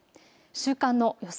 週間の予想